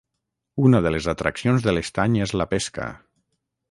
Una de les atraccions de l'estany és la pesca.